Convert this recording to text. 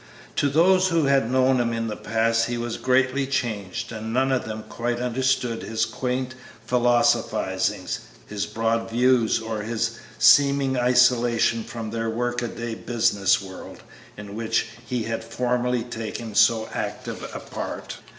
To those who had known him in the past he was greatly changed, and none of them quite understood his quaint philosophizings, his broad views, or his seeming isolation from their work a day, business world in which he had formerly taken so active a part.